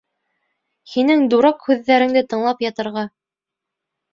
Һинең дурак һүҙҙәреңде тыңлап ятырға...